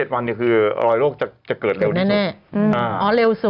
๕๗วันคือรอยโรคจะเกิดเร็วที่สุด